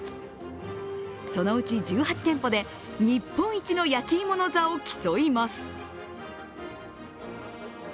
そのうち１８店舗で日本一の焼き芋の座を競います。